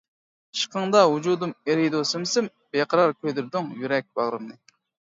ئىشقىڭدا ۋۇجۇدۇم ئېرىيدۇ سىم-سىم، بىقارار كۆيدۈردۈڭ يۈرەك باغرىمنى.